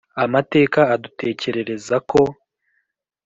amateka adutekerereza ko